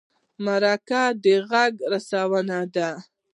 مرکه د غږ رسونه ده.